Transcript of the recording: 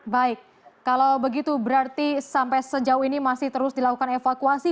baik kalau begitu berarti sampai sejauh ini masih terus dilakukan evakuasi